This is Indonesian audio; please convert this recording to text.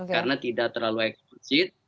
karena tidak terlalu eksplisit